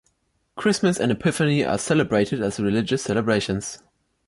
Christmas and Epiphany are celebrated as religious celebrations.